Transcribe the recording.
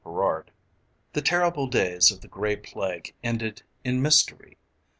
CHAPTER IV The terrible days of the Gray Plague ended in mystery.